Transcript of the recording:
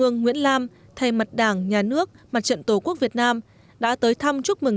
ương nguyễn lam thay mặt đảng nhà nước mặt trận tổ quốc việt nam đã tới thăm chúc mừng